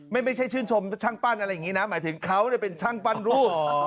ไม่ใช่ชื่นชมช่างปั้นอะไรอย่างนี้นะหมายถึงเขาเป็นช่างปั้นรูป